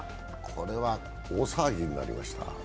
これは大騒ぎになりました。